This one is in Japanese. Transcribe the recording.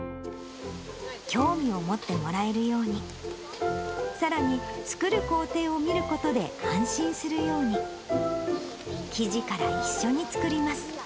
興味を持ってもらえるように、さらに、作る工程を見ることで安心するように、生地から一緒に作ります。